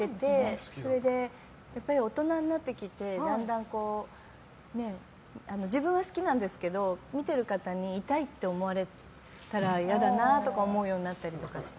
大人になってきて自分は好きなんですけど見てる方に痛いって思われたら嫌だなと思うようになったりとかして。